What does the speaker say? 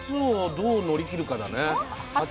どう乗り切るかだね。は？